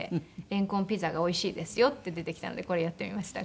レンコンピザがおいしいですよって出てきたのでこれやってみました。